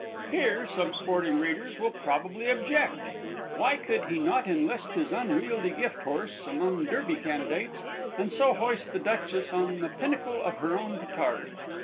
Here some sporting readers will probably object! Why could he not enlist his unwieldy gifthorse among Derby candidates and so hoist the Duchess on the pinnacle of her own petard?